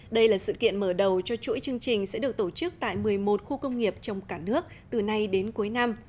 đây là sự kiện mở đầu cho chuỗi chương trình sẽ được tổ chức tại một mươi một khu công nghiệp trong cả nước từ nay đến cuối năm